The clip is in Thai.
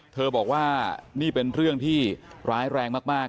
เธอบอกว่านี่เป็นเรื่องที่ร้ายแรงมาก